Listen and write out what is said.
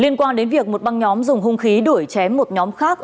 ngoan đến việc một băng nhóm dùng hung khí đuổi chém một nhóm khác